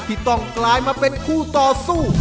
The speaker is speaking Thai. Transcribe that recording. ที่ต้องกลายมาเป็นคู่ต่อสู้